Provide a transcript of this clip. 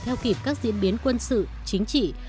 theo kịp các diễn biến quân sự chính trị